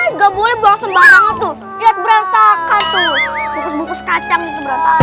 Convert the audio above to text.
nggak boleh bangsa banget tuh lihat berantakan tuh bukus bukus kacang